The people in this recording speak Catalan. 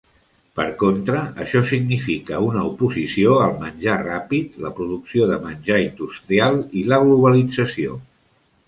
Per contra, això significa una oposició al menjar ràpid, la producció de menjar industrial i la globalització.